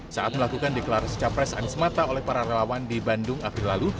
saat melakukan deklarasi capres anies mata oleh para relawan di bandung april lalu